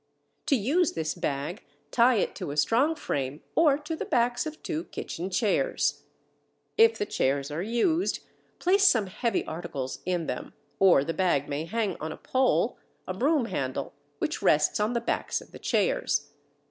To use this bag, tie it to a strong frame or to the backs of two kitchen chairs. If the chairs are used, place some heavy articles in them; or the bag may hang on a pole (a broom handle) which rests on the backs of the chairs.